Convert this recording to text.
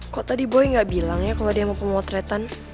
kok tadi boy nggak bilang ya kalau dia mau pemotretan